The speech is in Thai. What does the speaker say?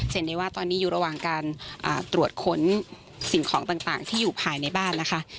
เห็นได้ว่าตอนนี้อยู่ระหว่างการตรวจค้นสิ่งของต่างที่อยู่ภายในบ้านนะคะ